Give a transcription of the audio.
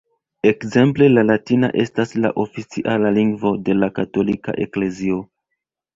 Ekzemple la latina estas la oficiala lingvo de la katolika eklezio.